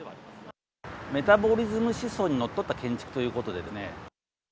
メタボリズム思想にのっとった建築ということでですね。